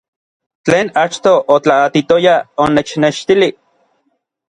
Tlen achtoj otlaatitoya onechnextilij.